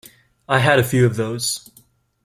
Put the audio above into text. I had a few of those.